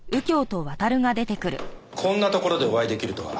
こんなところでお会い出来るとは。